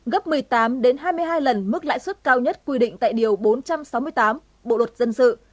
gấp một mươi tám hai mươi hai lần mức lãi suất cao nhất quy định tại điều bốn trăm sáu mươi tám bộ luật dân sự